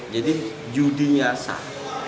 jadi judinya sah